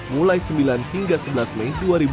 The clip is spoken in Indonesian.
mulai sembilan hingga sebelas mei dua ribu dua puluh